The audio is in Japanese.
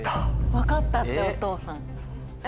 分かったってお父さん。